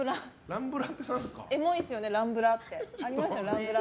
エモいですよね、ランブラって。